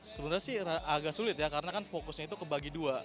sebenarnya sih agak sulit ya karena kan fokusnya itu kebagi dua